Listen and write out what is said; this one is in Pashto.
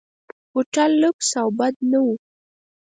هوټل لکس او بد نه و.